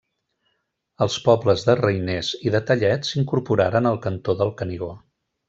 Els pobles de Reiners i de Tellet s'incorporaren al Cantó del Canigó.